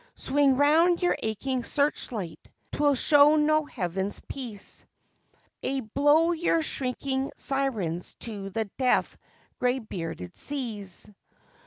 Swing round your aching search light 'twill show no haven's peace! Ay, blow your shrieking sirens to the deaf, gray bearded seas!